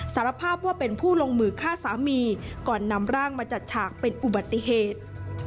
สารภาพว่าเป็นผู้ลงมือฆ่าสามีก่อนนำร่างมาจัดฉากเป็นอุบัติเหตุ